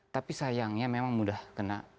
tapi sayangnya memang mudah kena